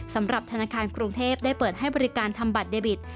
สำหรับธนาคารกรุงเทพได้เปิดให้บริการทำบัตรเดบิต